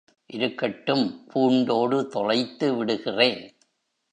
இருக்கட்டும் பூண்டோடு தொலைத்து விடுகிறேன்.